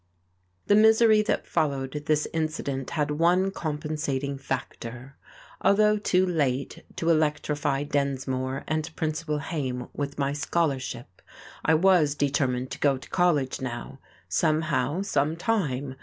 The misery that followed this incident had one compensating factor. Although too late to electrify Densmore and Principal Haime with my scholarship, I was determined to go to college now, somehow, sometime.